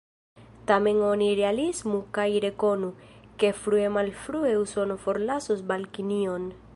Tamen oni realismu kaj rekonu, ke frue malfrue Usono forlasos Balkanion.